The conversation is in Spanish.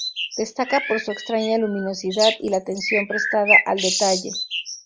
Destaca por su extraña luminosidad, y la atención prestada al detalle.